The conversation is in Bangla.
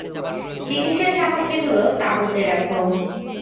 চিকিৎসা সামগ্রীগুলো তাঁবুতে রাখো।